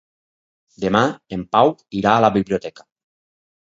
Demà en Pau irà a la biblioteca.